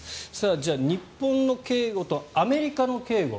じゃあ日本の警護とアメリカの警護